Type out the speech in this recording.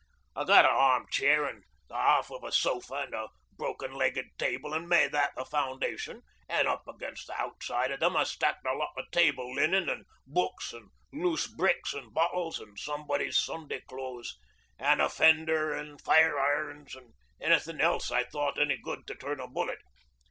I got a arm chair an' the half of a sofa an' a broken legged table, an' made that the foundation; an' up against the outside of them I stacked a lot o' table linen an' books an' loose bricks an' bottles an' somebody's Sunday clothes an' a fender an' fire irons an' anything else I thought any good to turn a bullet.